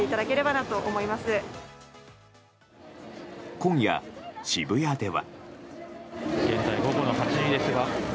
今夜、渋谷では。